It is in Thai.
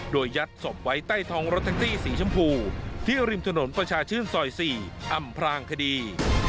โดยยัดศพไว้ใต้ท้องรถแท็กซี่สีชมพูที่ริมถนนประชาชื่นซอย๔อำพลางคดี